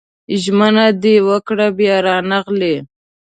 ژمنه دې وکړه بيا رانغلې